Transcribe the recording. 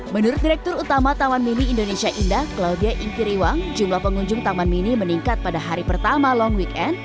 menurut direktur utama taman mini indonesia indah claudia inkiriwang jumlah pengunjung taman mini meningkat pada hari pertama long weekend